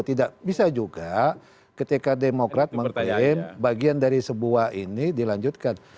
tidak bisa juga ketika demokrat mengklaim bagian dari sebuah ini dilanjutkan